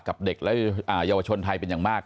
กับเด็กและเยาวชนไทยเป็นอย่างมาก